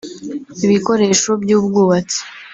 ibikoresho by’ubwubatsi